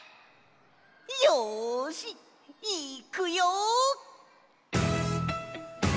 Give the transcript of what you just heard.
よしいっくよ！